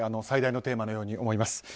最大のテーマのように思います。